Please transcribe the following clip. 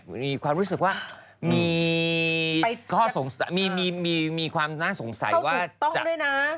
ที่มีความรู้สึกว่ามีความน่าสงสัยว่าจะเข้าถูกต้องด้วยนะ